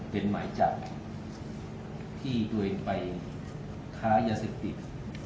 เป็นหมายจับที่ตัวเองไปค้ายาเสพติด